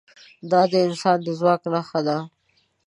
دا د انسان د ځواک نښه ده.